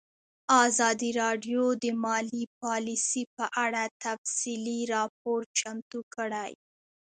ازادي راډیو د مالي پالیسي په اړه تفصیلي راپور چمتو کړی.